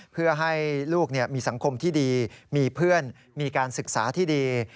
เพื่อให้ลูกมีสังคมที่ดีมีเพื่อนมีการศึกษาที่ดี